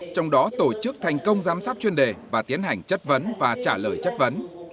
trong đó tổ chức thành công giám sát chuyên đề và tiến hành chất vấn và trả lời chất vấn